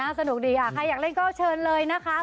สนุกดีค่ะใครอยากเล่นก็เชิญเลยนะคะ